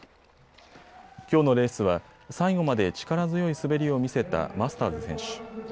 きょうのレースは最後まで力強い滑りを見せたマスターズ選手。